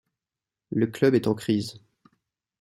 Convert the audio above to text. Le club est en crise.